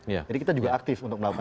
jadi kita juga aktif untuk mencari solusi